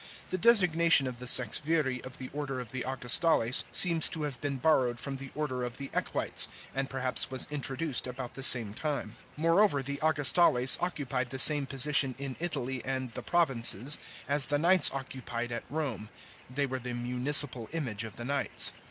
The designation of the sexviri of the order of the Augustales seems to have been borrowed from the order of the Bquites, and perhaps was introduced about the same time. More over the Augustales occupied the same position in Italy and the provinces, as the knights occupied at Rome; they were the municipal image of the knights.